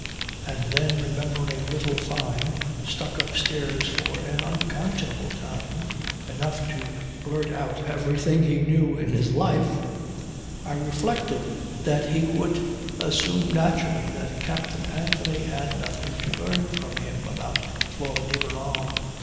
And then remembering little Fyne stuck upstairs for an unconscionable time, enough to blurt out everything he ever knew in his life, I reflected that he would assume naturally that Captain Anthony had nothing to learn from him about Flora de Barral.